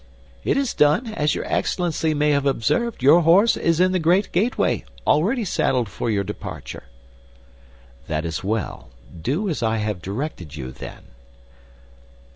"It is done; as your Excellency may have observed, your horse is in the great gateway, ready saddled for your departure." "That is well; do as I have directed you, then."